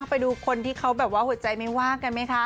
ไปดูคนที่เขาแบบว่าหัวใจไม่ว่างกันไหมคะ